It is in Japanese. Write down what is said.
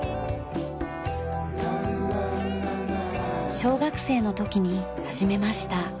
小学生の時に始めました。